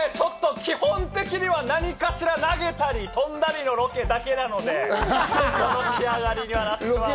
基本的には何かしら投げたり飛んだりのロケだけなので、この仕上がりにはなってます。